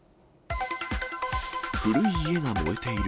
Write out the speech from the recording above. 古い家が燃えている。